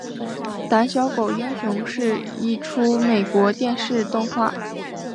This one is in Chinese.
胆小狗英雄是一出美国电视动画。